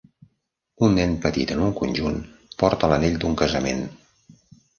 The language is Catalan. Un nen petit en un conjunt porta l'anell d'un casament.